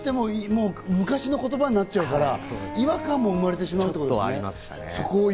昔の言葉になっちゃうから違和感も生まれてしまうってわけですね。